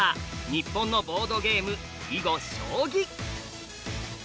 日本のボードゲーム囲碁将棋」。